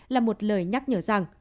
là một lời nhắc nhở rằng